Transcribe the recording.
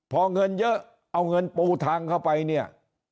พอเงินเยอะเอาเงินปูทางเข้าไปเนี่ย